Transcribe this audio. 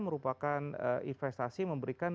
merupakan investasi memberikan